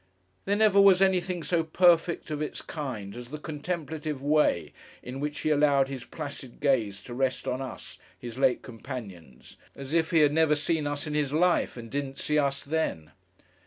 There never was anything so perfect of its kind as the contemplative way in which he allowed his placid gaze to rest on us, his late companions, as if he had never seen us in his life and didn't see us then.